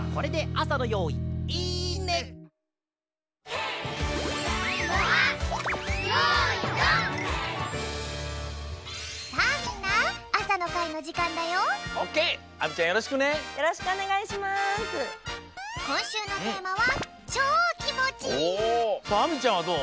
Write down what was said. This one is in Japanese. さあ亜美ちゃんはどう？